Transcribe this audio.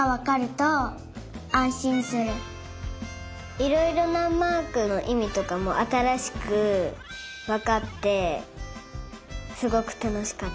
いろいろなマークのいみとかもあたらしくわかってすごくたのしかった。